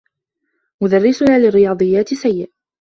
مدرّسنا للرّساضيّات سيّء.